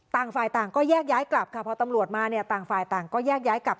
ต่างฝ่ายต่างก็แยกย้ายกลับค่ะพอตำรวจมาเนี่ยต่างฝ่ายต่างก็แยกย้ายกลับ